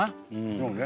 そうね。